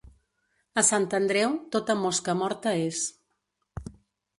A Sant Andreu, tota mosca morta és.